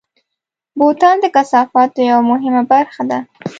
بوتل د کثافاتو یوه مهمه برخه ده.